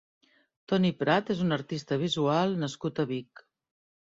Toni Prat és un artista visual nascut a Vic.